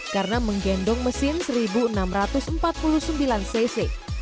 karena menggendong mesin seribu enam ratus empat puluh sembilan cc